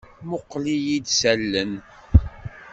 Mmuqqel-iyi-d s allen.